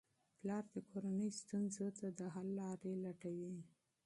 پلار د کورنۍ ستونزو ته حل لارې لټوي.